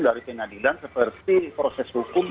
dari pengadilan seperti proses hukum